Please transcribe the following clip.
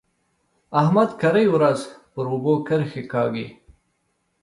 احمد کرۍ ورځ پر اوبو کرښې کاږي.